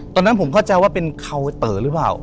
ตอนนั้นผมเข้าใจว่าเป็นเคาน์เต๋อหรือเปล่า